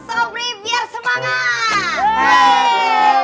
sobri biar semangat